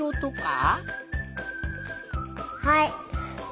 はい！